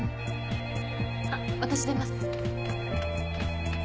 ☎あっ私出ます。